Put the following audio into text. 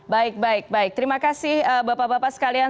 baik baik baik terima kasih bapak bapak sekalian